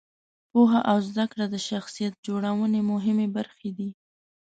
پوهه او زده کړه د شخصیت جوړونې مهمې برخې دي.